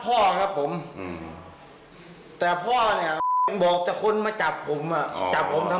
โอ้โหรักพ่อนะแต่มันแค้นน่ะ